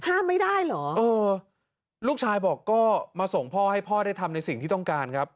ห้ามไม่ได้เหรอเออลูกชายบอกก็มาส่งพ่อให้พ่อได้ทำในสิ่งที่ต้องการครับ